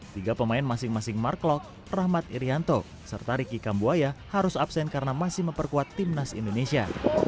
tiga pemain masing masing mark lok rahmat irianto serta ricky kambuaya harus absen karena masih memperkuat timnas indonesia